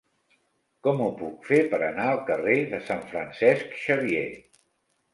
Com ho puc fer per anar al carrer de Sant Francesc Xavier?